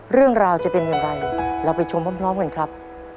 เรื่องราวจะเป็นอย่างไรเราไปชมพร้อมกันครับ